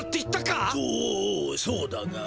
おうそうだが。